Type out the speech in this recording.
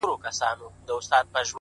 زحمت د بریا د کښت اوبه دي’